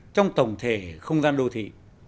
trong tổng thể không gian đô thị